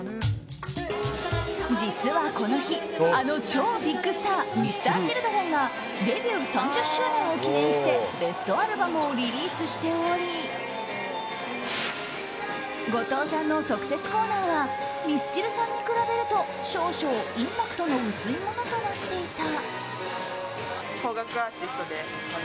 実は、この日あの超ビッグスターＭｒ．Ｃｈｉｌｄｒｅｎがデビュー３０周年を記念してベストアルバムをリリースしており後藤さんの特設コーナーはミスチルさんに比べると少々、インパクトの薄いものとなっていた。